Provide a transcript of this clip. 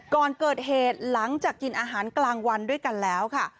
ก่อนเกิดเหตุหลังจากกินอาหารกลางวันด้วยกันแล้วค่ะ